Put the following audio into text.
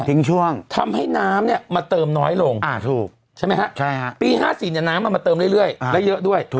ถึงช่วงทำให้น้ำเนี่ยมาเติมน้อยลงใช่ไหมครับปี๕๔น้ำมาเติมเรื่อยและเยอะด้วย